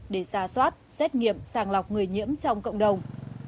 để ra soát xét nghiệm sàng lọc người nhiễm trong cộng đồng